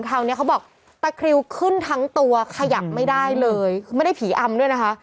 เขาบอกเนี้ยเขาบอกตะคริวขึ้นทั้งตัวขยับไม่ได้เลยคือไม่ได้ผีอำด้วยนะคะ